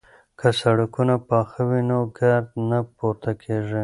که سړکونه پاخه وي نو ګرد نه پورته کیږي.